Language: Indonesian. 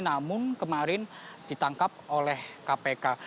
namun kemarin ditangkap oleh kpk